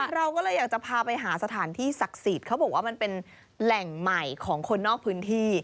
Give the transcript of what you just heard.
เราก็เลยอยากจะพาไปหาสถานที่ศักดิ์สิทธิ์เขาบอกว่ามันเป็นแหล่งใหม่ของคนนอกพื้นที่